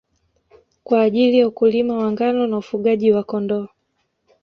Kwa ajili ya ukulima wa ngano na ufugaji wa Kondoo